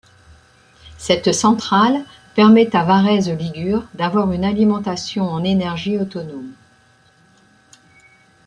Cette centrale permet à Varese Ligure d'avoir une alimentation en énergie autonome.